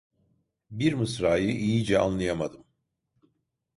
Bir mısrayı iyice anlayamadım.